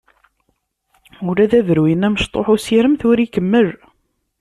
Ula d abruy-nni amecṭuḥ n usirem tura ikemmel.